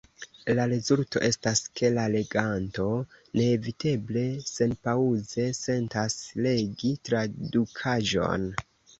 La rezulto estas, ke la leganto neeviteble senpaŭze sentas legi tradukaĵon.